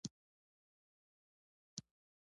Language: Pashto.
د افغانستان د اقتصادي پرمختګ لپاره پکار ده چې چپنې وي.